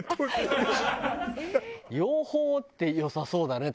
養蜂って良さそうだね。